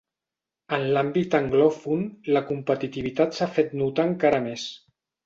En l'àmbit anglòfon la competitivitat s'ha fet notar encara més.